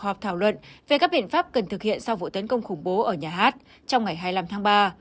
họp thảo luận về các biện pháp cần thực hiện sau vụ tấn công khủng bố ở nhà hát trong ngày hai mươi năm tháng ba